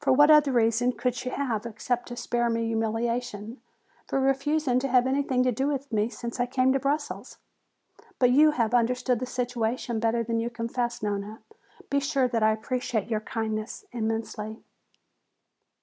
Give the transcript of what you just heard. What other reason could she have, except to spare me humiliation, for refusing to have anything to do with me since I came to Brussels? But you have understood the situation better than you confess, Nona. Be sure that I appreciate your kindness immensely."